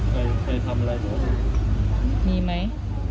เคยทำอะไรไหมมีไหม